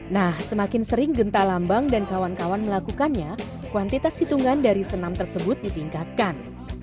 nah semakin sering genta lambang dan kawan kawan melakukannya kuantitas hitungan dari senam tersebut ditingkatkan